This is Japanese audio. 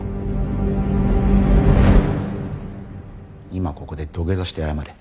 今ここで土下座して謝れ。